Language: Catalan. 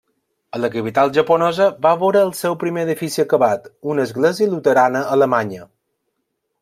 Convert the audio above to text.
A la capital japonesa va veure el seu primer edifici acabat: una església luterana alemanya.